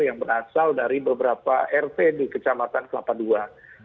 yang berasal dari beberapa rt di kecamatan kelapa ii